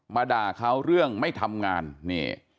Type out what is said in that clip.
ด่าเขาเรื่องไม่ทำงานนี่